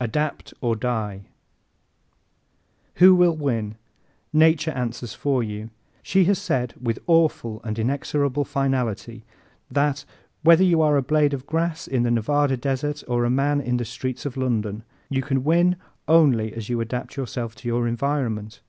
Adapt or Die ¶ Who will win? Nature answers for you. She has said with awful and inexorable finality that, whether you are a blade of grass on the Nevada desert or a man in the streets of London, you can win only as you adapt yourself to your environment.